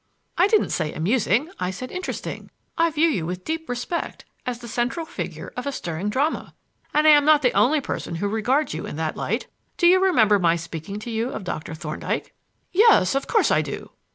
"I didn't say amusing; I said interesting. I view you with deep respect as the central figure of a stirring drama. And I am not the only person who regards you in that light. Do you remember my speaking to you of Doctor Thorndyke?" "Yes, of course I do."